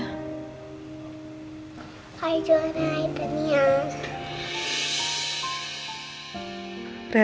rera aku mau pergi ke rumah